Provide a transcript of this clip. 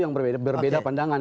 yang berbeda pandangan